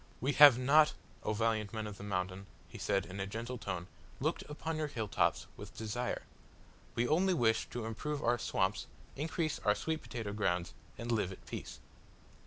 "We have not, O valiant men of the Mountain," he said, in a gentle tone, "looked upon your hill tops with desire. We only wish to improve our swamps, increase our sweet potato grounds, and live at peace."